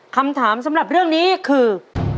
คำถามสำหรับเรื่องนี้คือ